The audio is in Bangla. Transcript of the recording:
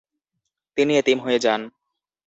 তিনি এতিম হয়ে যান।